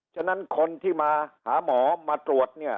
ฉะนั้นคนที่มาหาหมอมาตรวจ